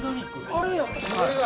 あれやん！